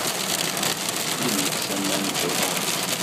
Yelles aman s uḍar-is.